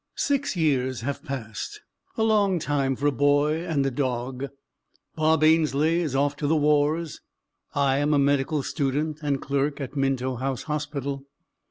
Six years have passed a long time for a boy and a dog: Bob Ainslie is off to the wars; I am a medical student and clerk at Minto House Hospital.